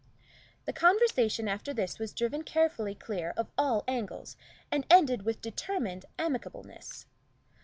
The conversation after this was driven carefully clear of all angles, and ended with determined amicableness.